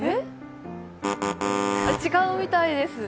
違うみたいです。